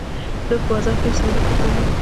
زه په بازار کي یم، سودا کور ته وړم.